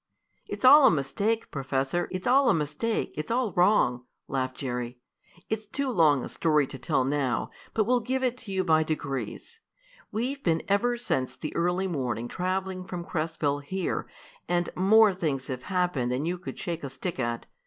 "It's all a mistake, Professor! It's all a mistake! It's all wrong!" laughed Jerry. "It's too long a story to tell now, but we'll give it to you by degrees. We've been ever since the early morning traveling from Cresville here, and more things have happened than you could shake a stick at.